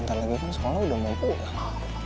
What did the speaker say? kan lagi kan sekolah udah mau pulang